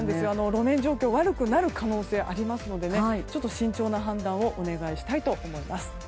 路面状況が悪くなる可能性がありますので慎重な判断をお願いしたいと思います。